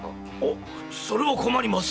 それは困ります。